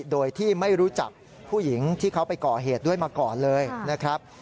โดยที่ไม่รู้จักผู้หญิงที่เขาไปก่อเหตุด้วยมาก่อนเลยนะครับ